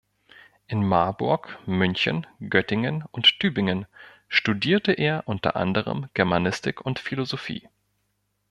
In Marburg, München, Göttingen und Tübingen studierte er unter anderem Germanistik und Philosophie.